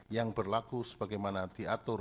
yang berlaku sebagaimana diatur